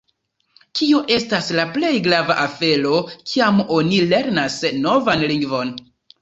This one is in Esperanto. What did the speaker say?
Kio estas la plej grava afero kiam oni lernas novan lingvon?